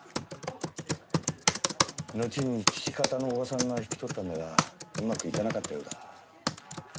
のちに父方の叔母さんが引き取ったんだが上手くいかなかったようだ。